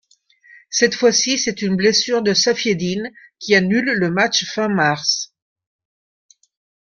Cette fois-ci, c'est une blessure de Saffiedine qui annule le match fin mars.